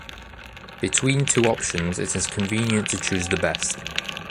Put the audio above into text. Between two options it is convenient to choose the best.